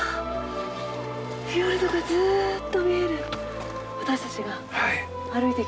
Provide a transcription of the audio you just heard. フィヨルドがずっと見える私たちが歩いてきた道。